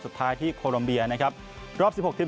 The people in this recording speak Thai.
สุดท้ายที่โคลมเบียนะครับรอบสิบหกทีม